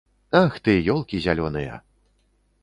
Ах ты, ёлкі зялёныя.